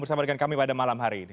bersama dengan kami pada malam hari ini